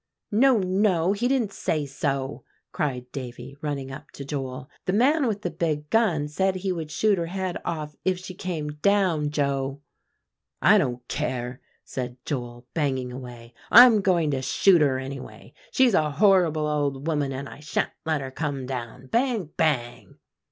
"No; no, he didn't say so," cried Davie, running up to Joel; "the man with the big gun said he would shoot her head off if she came down, Joe." "I don't care," said Joel, banging away; "I'm going to shoot her, anyway; she's a horrible old woman, and I sha'n't let her come down. Bang! bang!"